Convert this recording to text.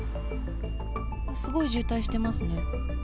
すごい渋滞してますね。